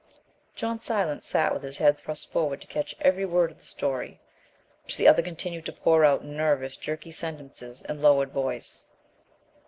John Silence sat with his head thrust forward to catch every word of the story which the other continued to pour out in nervous, jerky sentences and lowered voice.